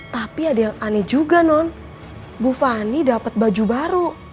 tapi ada yang aneh juga non bu fani dapat baju baru